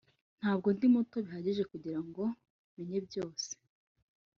ntabwo ndi muto bihagije kugirango menye byose.